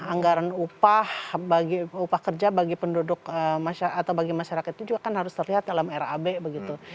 anggaran upah upah kerja bagi penduduk atau bagi masyarakat itu juga kan harus terlihat dalam rab begitu